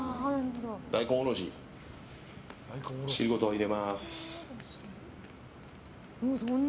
大根おろし、汁ごと入れます。